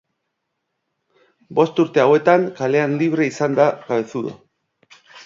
Bost urte hauetan kalean libre izan da Cabezudo.